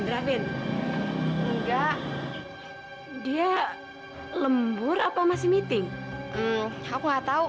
pernah lah sama saya